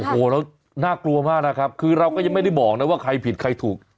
โอ้โหแล้วน่ากลัวมากนะครับคือเราก็ยังไม่ได้บอกนะว่าใครผิดใครถูก